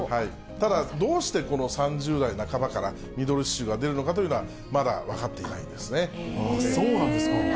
ただ、どうして、この３０代半ばからミドル脂臭が出るのかというのは、まだ分かっそうなんですか。